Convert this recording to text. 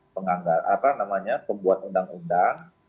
penganggar apa namanya pembuat undang undang